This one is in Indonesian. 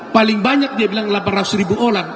paling banyak dia bilang delapan ratus ribu orang